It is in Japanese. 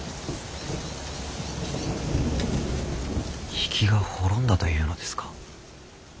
比企が滅んだというのですか？